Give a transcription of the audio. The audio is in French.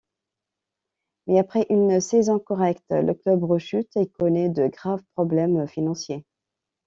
Mais après une saison correcte, le club rechute et connaît de graves problèmes financiers.